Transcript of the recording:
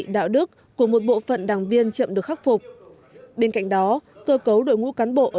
đạo đức của một bộ phận đảng viên chậm được khắc phục bên cạnh đó cơ cấu đội ngũ cán bộ ở